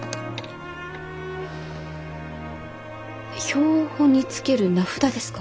標本につける名札ですか？